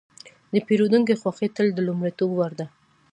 د پیرودونکي خوښي تل د لومړیتوب وړ ده.